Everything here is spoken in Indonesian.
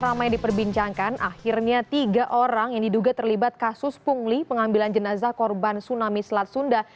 ramai diperbincangkan akhirnya tiga orang yang diduga terlibat kasus pungli pengambilan jenazah korban tsunami selat sunda